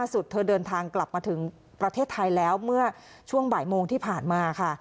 สุดเธอเดินทางกลับมาถึงประเทศไทยแล้วเมื่อช่วงบ่ายโมงที่ผ่านมาค่ะ